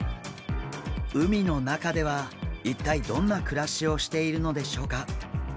海の中では一体どんな暮らしをしているのでしょうか。